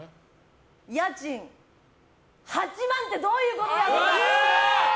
家賃８万ってどういうことだよ！